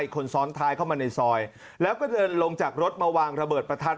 คนซ้อนท้ายเข้ามาในซอยแล้วก็เดินลงจากรถมาวางระเบิดประทัด